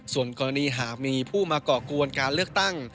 ส่วนกรณีหากมีผู้มาก่อกวนการเลือกตั้ง